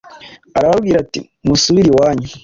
arababwira ati musubire iwanyu